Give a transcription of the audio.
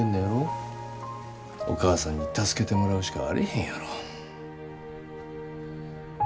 お義母さんに助けてもらうしかあれへんやろ。